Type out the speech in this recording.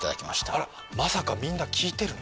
あらまさかみんな聞いてる？